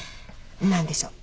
何でしょう？